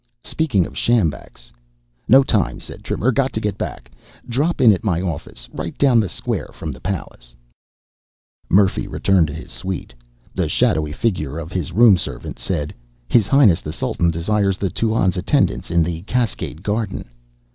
"Speaking of sjambaks ..." "No time," said Trimmer. "Got to get back. Drop in at my office right down the square from the palace." Murphy returned to his suite. The shadowy figure of his room servant said, "His Highness the Sultan desires the Tuan's attendance in the Cascade Garden."